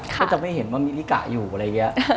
ไม่จะไว้เห็นว่ามิริกาอยู่อะไรเงี้ย